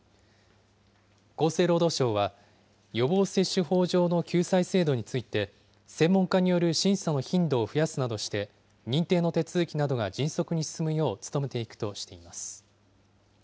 厚生労働省は、予防接種法上の救済制度について、専門家による審査の頻度を増やすなどして、認定の手続きなどが迅速に進むよう努めていくとしています。